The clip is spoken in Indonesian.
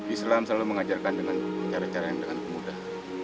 islam selalu mengajarkan dengan cara cara yang dengan mudah